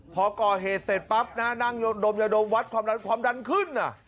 พอก่อเหตุเสร็จปั๊บนะนั่งดมยาดมวัดความดันขึ้น